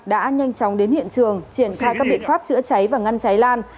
đã nhanh chóng đến hiện trường triển khai các biện pháp chữa cháy và ngăn cháy lan